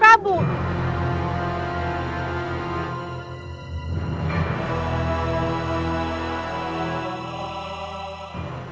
aku sudah memberitahukan masalah ini pada ayah